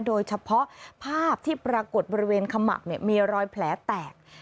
โดยเฉพาะภาพที่ปรากฏบริเวณขมับมีรอยแผลแตก